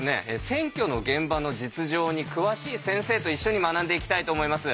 選挙の現場の実情に詳しい先生と一緒に学んでいきたいと思います。